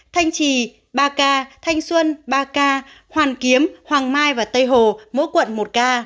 thanh trì ba ca thanh xuân ba ca hoàn kiếm hoàng mai và tây hồ mỗi quận một ca